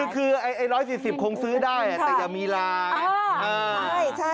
คือ๑๔๐คงซื้อได้แต่อย่ามีลาง